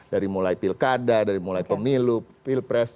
dari mulai pilkada dari mulai pemilu pilpres